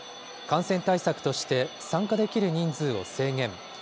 感染対策として、参加できる人数を制限。